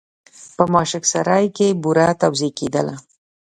په ماشک سرای کې بوره توزېع کېدله.